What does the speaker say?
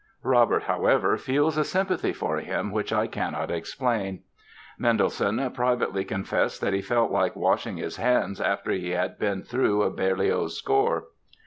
Robert, however, "feels a sympathy for him which I cannot explain". Mendelssohn privately confessed that he felt like washing his hands after he had been through a Berlioz score.